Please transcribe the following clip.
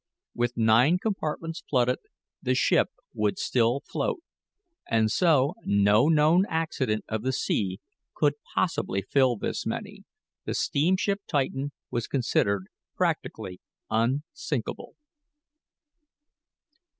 With nine compartments flooded the ship would still float, and as no known accident of the sea could possibly fill this many, the steamship Titan was considered practically unsinkable.